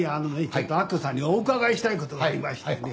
ちょっと明子さんにお伺いしたいことがありましてね。